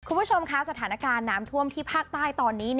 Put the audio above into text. คุณผู้ชมคะสถานการณ์น้ำท่วมที่ภาคใต้ตอนนี้